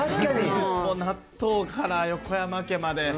もう納豆から横山家まで。